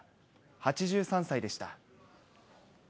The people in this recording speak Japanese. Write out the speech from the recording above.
８３歳でした。